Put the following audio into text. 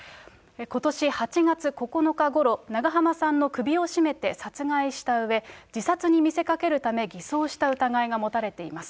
ことし８月９日ごろ、長濱さんの首を絞めて殺害したうえ、自殺に見せかけるため偽装した疑いが持たれています。